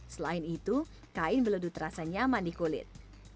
selain itu kain beledu terasa nyaman di kulit